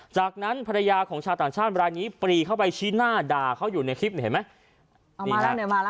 จากนั้นภรรยาของชาวต่างชาติรายนี้ปรีเข้าไปชี้หน้าด่าเขาอยู่ในคลิปเนี่ยเห็นไหม